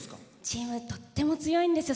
チーム、とっても強いんです。